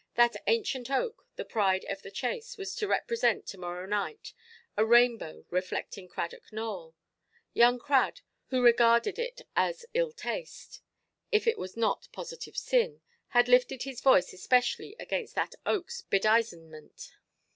That ancient oak, the pride of the chase, was to represent, to–morrow night, a rainbow reflecting "Cradock Nowell". Young Crad, who regarded it all as ill–taste, if it were not positive sin, had lifted his voice especially against that oakʼs bedizenment.